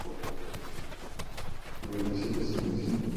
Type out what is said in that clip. Hennig participó en varias empresas independientes de lucha libre profesional.